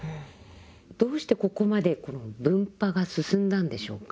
どうしてここまで分派が進んだんでしょうか？